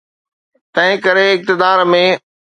تنهنڪري اقتدار ۾.